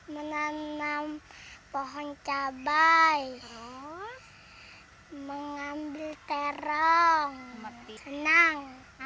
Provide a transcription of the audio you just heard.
menanam pohon cabai mengambil terong senang